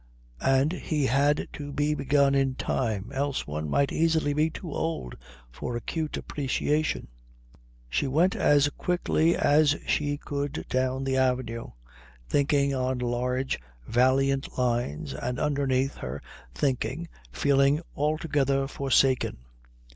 And he had to be begun in time, else one might easily be too old for acute appreciation. She went as quickly as she could down the avenue, thinking on large valiant lines and underneath her thinking feeling altogether forsaken.